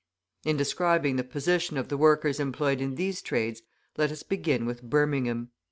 In describing the position of the workers employed in these trades, let us begin with Birmingham.